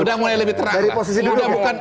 udah mulai lebih terang